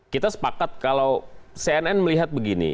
kita sepakat kalau cnn melihat begini